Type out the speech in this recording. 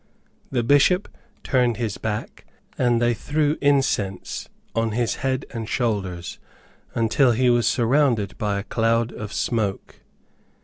The Bishop turned his back, and they threw incense on his head and shoulders, until he was surrounded by a cloud of smoke.